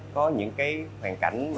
có những cái hoàn cảnh